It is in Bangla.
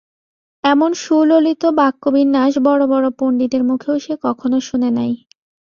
এমন সুললিত বাক্যবিন্যাস বড় বড় পণ্ডিতের মুখেও সে কখনও শোনে নাই।